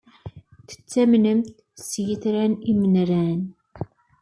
Tettamnemt s yitran imniren?